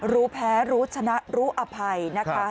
รู้แพ้รู้ชนะรู้อภัยนะคะ